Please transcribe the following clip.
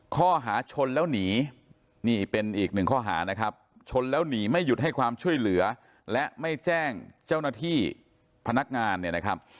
ข้อหาชนแล้วหนีนี่เป็นอีกหนึ่งข้อหานะครับชนแล้วหนีไม่หยุดให้ความช่วยเหลือและไม่แจ้งเจ้าหน้าที่พนักงานเนี่ยนะครับ